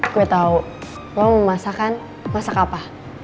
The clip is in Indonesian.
gue tau lo mau masakan masak apa